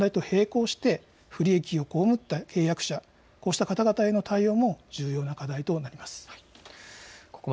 またこうした問題と並行して不利益を被った契約者、こうした方々への対応も重要な課題となります。